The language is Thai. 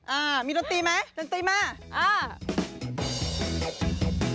อ่ามีดนตรีไหมดนตรีมาอ่า